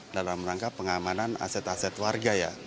dalam rangka pengamanan aset aset warga ya